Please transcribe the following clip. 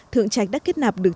thượng trạch đã kết nạp được